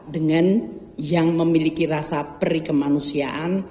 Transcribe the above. dengan yang memiliki rasa perikemanusiaan